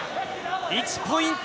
１ポイント